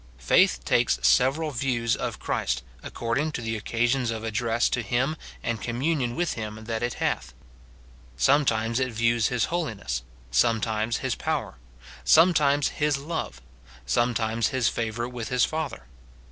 Faith takes several views of Christ, according to the occasions of address to him and communion with him that it hath. Sometimes it views his holiness, sometimes his power, sometimes his love, sometimes his favour with his Father.